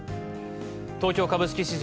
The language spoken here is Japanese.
東京株式市場